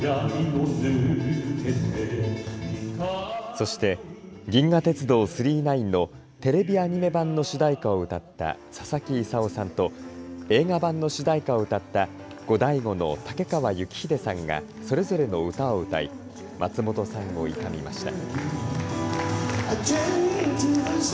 そして、銀河鉄道９９９のテレビアニメ版の主題歌を歌ったささきいさおさんと映画版の主題歌を歌ったゴダイゴのタケカワユキヒデさんがそれぞれの歌を歌い松本さんを悼みました。